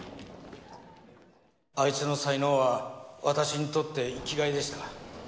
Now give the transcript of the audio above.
あいつの才能は私にとって生きがいでした。